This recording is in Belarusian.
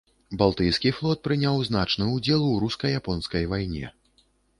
Балтыйскі флот прыняў значны ўдзел у руска-японскай вайне.